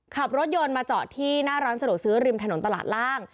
ขับรถยนต์มาจอดที่หน้าร้านสะดวกซื้อริมถนนตลาดล่าง